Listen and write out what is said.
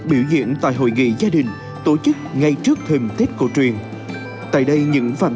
biểu diễn tại hội nghị gia đình tổ chức ngay trước thềm tết cổ truyền tại đây những phạm